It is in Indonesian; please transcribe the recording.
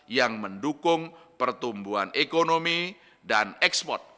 yang mendukung pertumbuhan ekonomi dan ekspor